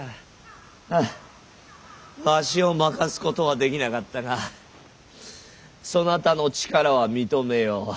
はあわしを負かすことはできなかったがそなたの力は認めよう。